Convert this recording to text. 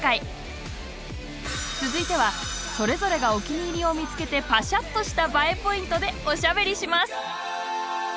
続いてはそれぞれがお気に入りを見つけてパシャッとしたＢＡＥポイントでおしゃべりします。